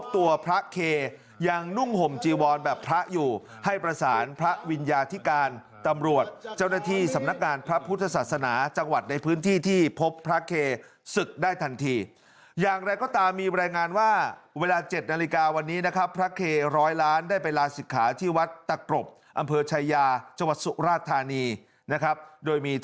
ตัวพระเคยังนุ่งห่มจีวรแบบพระอยู่ให้ประสานพระวิญญาธิการตำรวจเจ้าหน้าที่สำนักงานพระพุทธศาสนาจังหวัดในพื้นที่ที่พบพระเคศึกได้ทันทีอย่างไรก็ตามมีรายงานว่าเวลา๗นาฬิกาวันนี้นะครับพระเคร้อยล้านได้ไปลาศิกขาที่วัดตะกรบอำเภอชายาจังหวัดสุราธานีนะครับโดยมี